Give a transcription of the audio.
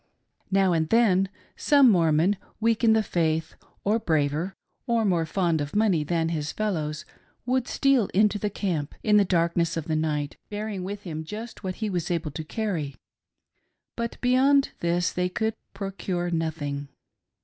Now and then, some Mormon, weak in the faith or braver or more fond of money than his fellows, would steal into the camp, in the darkness of the night, bearing with him just what he was able to carry ; but beyond this they could procure nothing.